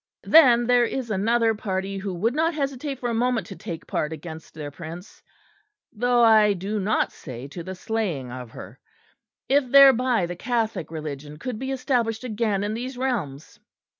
Then there is another party who would not hesitate for a moment to take part against their Prince, though I do not say to the slaying of her, if thereby the Catholic Religion could be established again in these realms.